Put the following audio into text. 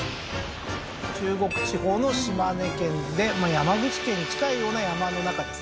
中国地方の島根県でまあ山口県に近いような山の中ですね